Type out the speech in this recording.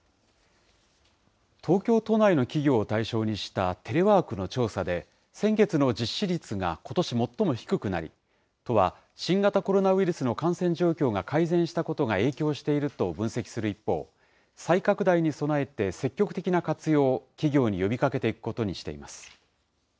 東京都内の企業を対象にしたテレワークの調査で、先月の実施率がことし最も低くなり、都は新型コロナウイルスの感染状況が改善したことが影響していると分析する一方、再拡大に備えて、積極的な活用を企業に呼びかけていくことにしています。